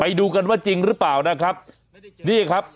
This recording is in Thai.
ไปดูกันว่าจริงหรือเปล่านะครับนี่ครับ